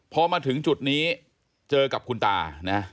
พอมาถึงจุดนี้เจอกับคุณตานะ